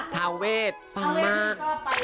ภาเวทชอบมาก